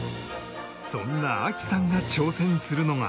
そんな亜希さんが挑戦するのが